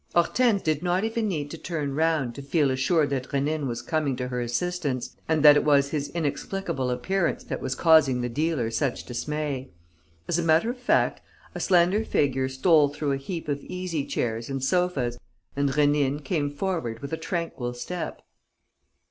Hortense did not even need to turn round to feel assured that Rénine was coming to her assistance and that it was his inexplicable appearance that was causing the dealer such dismay. As a matter of fact, a slender figure stole through a heap of easy chairs and sofas: and Rénine came forward with a tranquil step.